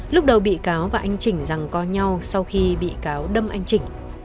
lúc đầu bị cáo và anh chỉnh rằng có nhau sau khi bị cáo đâm anh chỉnh